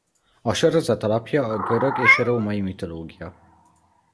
A sorozat alapja a görög és a római mitológia.